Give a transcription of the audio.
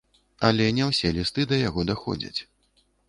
Але не ўсе лісты да яго даходзяць.